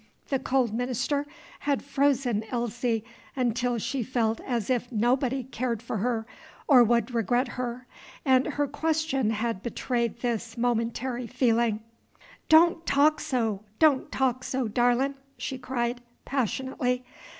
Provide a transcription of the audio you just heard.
The cold minister had frozen Elsie until she felt as if nobody cared for her or would regret her, and her question had betrayed this momentary feeling. "Don' talk so! don' talk so, darlin'!" she cried, passionately.